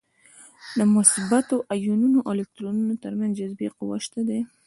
د مثبتو ایونونو او الکترونونو تر منځ جاذبې قوه شته ده.